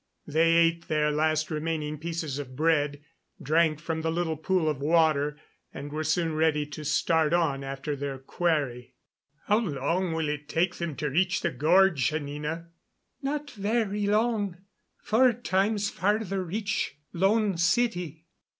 They ate their last remaining pieces of bread, drank from the little pool of water, and were soon ready to start on after their quarry. "How long will it take them to reach the gorge, Anina?" "Not very long four times farther reach Lone City."